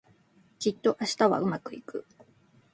きっと明日はうまくいく